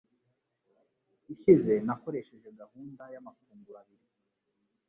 ishize nakoresheje gahunda y’amafunguro abiri.